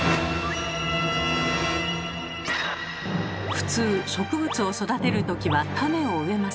普通植物を育てるときは種を植えますよね。